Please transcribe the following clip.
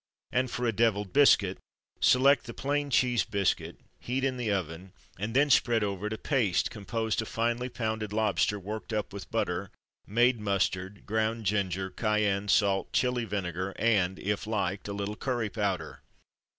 And for a Devilled Biscuit select the plain cheese biscuit, heat in the oven, and then spread over it a paste composed of finely pounded lobster worked up with butter, made mustard, ground ginger, cayenne, salt, chili vinegar, and (if liked) a little curry powder.